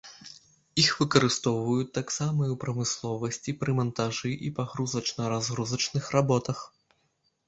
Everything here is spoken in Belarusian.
Іх выкарыстоўваюць таксама і ў прамысловасці пры мантажы і пагрузачна-разгрузачных работах.